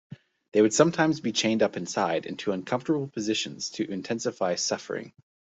They would sometimes be chained up inside into uncomfortable positions to intensify suffering.